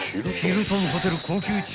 ヒルトンホテル］